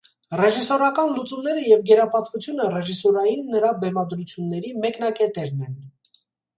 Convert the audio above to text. Ռեժիսորական լուծումները և գերապատվությունը ռեժիսուրային նրա բեմադրությունների մեկնակետերն են։